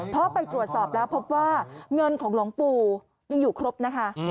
เพราะไปตรวจสอบแล้วพบว่าเงินของหลวงปู่ยังอยู่ครบนะคะ